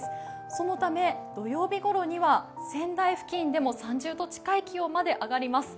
そのため土曜日ごろには仙台付近でも３０度近い気温まで上がります。